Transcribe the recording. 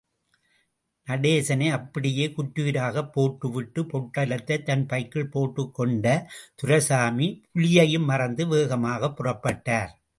நடேசனை அப்படியே குற்றுயிராகப் போட்டுவிட்டு, பொட்டலத்தைத் தன் பைக்குள் போட்டுக்கொண்ட, துரைசாமி, புலியையும் மறந்து வேகமாகப் பிறப்பட்டார்.